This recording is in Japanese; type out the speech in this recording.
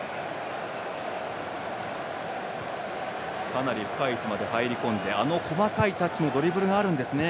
かなり深い位置まで入り込んで細かいタッチのドリブルがあるんですね